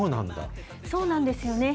そうなんですよね。